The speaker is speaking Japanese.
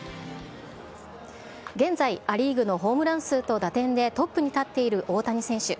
現在、ア・リーグのホームラン数と打点でトップに立っている大谷選手。